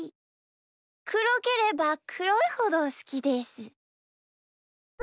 くろければくろいほどすきです。